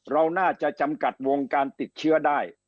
เราน่าจะจำกัดวงการติดเชื้อได้